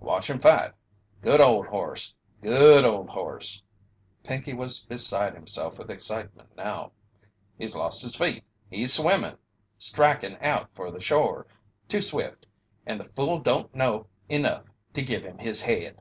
Watch him fight! Good ol' horse good ol' horse!" Pinkey was beside himself with excitement now. "He's lost his feet he's swimmin' strikin' out for the shore too swift, and the fool don't know enough to give him his head!"